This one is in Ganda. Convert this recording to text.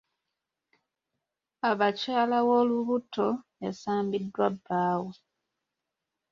Abakyala w'olubuto yasambiddwa bbaawe.